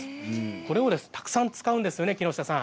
こちらをたくさん使うんですね。